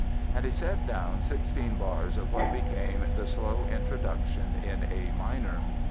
And he set down sixteen bars of what became the slow introduction in A minor.